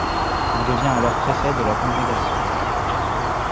Il devient alors préfet de la congrégation.